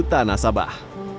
ketiga keuangan alo bank